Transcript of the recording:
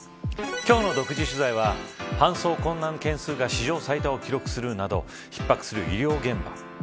今日の独自取材は搬送困難件数が史上最多を記録するなど逼迫する医療現場。